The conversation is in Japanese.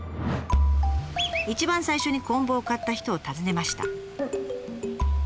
一番最初にこん棒を買った人を訪ねました。